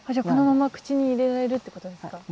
このまま口に入れられるってことですか？